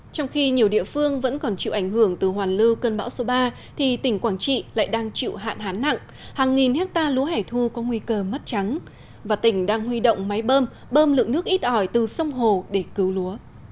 trong khi nhiều địa phương vẫn còn chịu ảnh hưởng từ hoàn lưu cơn bão số ba thì tỉnh quảng trị lại đang chịu hạn hán nặng hàng nghìn hectare lúa hẻ thu có nguy cơ mất trắng và tỉnh đang huy động máy bơm bơm bơm lượng nước ít ỏi từ sông hồ để cứu lúa